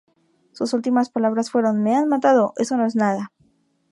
Sus últimas palabras fueron: “¡Me han matado, eso no es nada!